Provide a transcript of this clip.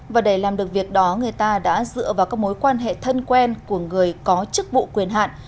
và để làm được việc đó người ta đã dựa vào các mối quan hệ thân quen của người có chức vụ quyền hạn